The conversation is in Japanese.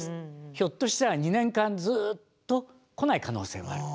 ひょっとしたら２年間ずっと来ない可能性もある。